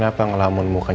lu jaringan ribut ngerang